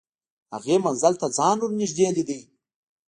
هغې منزل ته ځان ور نږدې لیده